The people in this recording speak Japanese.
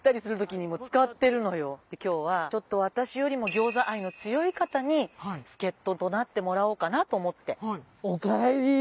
今日はちょっと私よりもギョーザ愛の強い方に助っ人となってもらおうかなと思って。